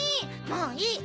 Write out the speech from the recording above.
もういい！